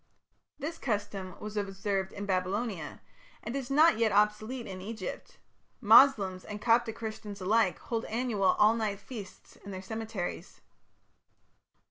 This custom was observed in Babylonia, and is not yet obsolete in Egypt; Moslems and Coptic Christians alike hold annual all night feasts in their cemeteries.